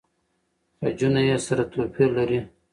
خجونه يې سره توپیر لري.